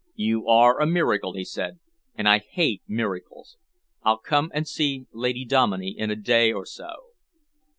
"You are a miracle," he said, "and I hate miracles. I'll come and see Lady Dominey in a day or so."